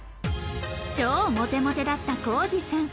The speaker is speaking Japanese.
超モテモテだったコージさん